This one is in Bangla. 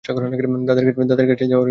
দাদীর কাছে যাওয়ার সুযোগ আছে।